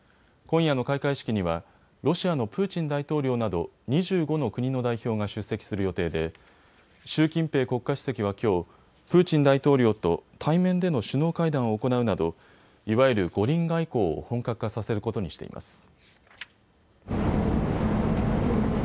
今夜の開会式にはロシアのプーチン大統領など２５の国の代表が出席する予定で習近平国家主席はきょうプーチン大統領と対面での首脳会談を行うなどいわゆる五輪外交を本格化させることにしています。